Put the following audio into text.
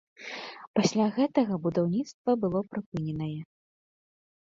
Пасля гэтага будаўніцтва было прыпыненае.